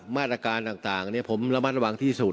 มาตรการต่างผมระมัดระวังที่สุด